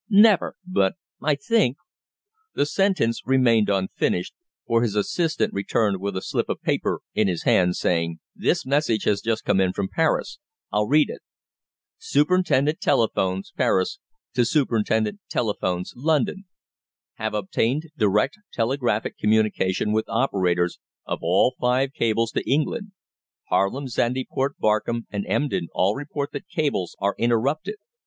"Never. But I think " The sentence remained unfinished, for his assistant returned with a slip of paper in his hand, saying: "This message has just come in from Paris, I'll read it. 'Superintendent Telephones, Paris, to Superintendent Telephones, London. Have obtained direct telegraphic communication with operators of all five cables to England. Haarlem, Zandyport, Barkum, and Emden all report that cables are interrupted.